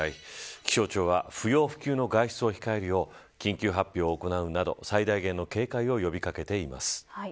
気象庁は不要不急の外出を控えるよう緊急発表を行うなど最大限の警戒を呼び掛けています。